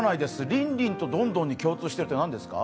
リンリンとドンドンに共通しているって何ですか。